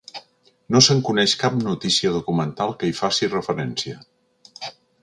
No se'n coneix cap notícia documental que hi faci referència.